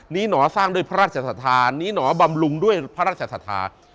หนอสร้างด้วยพระราชศรัทธานีหนอบำรุงด้วยพระราชศรัทธา